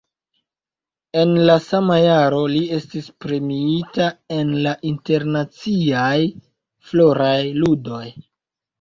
En la sama jaro li estis premiita en la Internaciaj Floraj Ludoj.